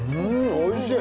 おいしい！